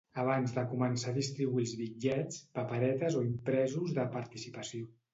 Abans de començar a distribuir els bitllets, paperetes o impresos de participació.